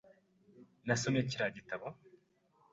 Nasomye kiriya gitabo .